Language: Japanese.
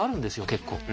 結構。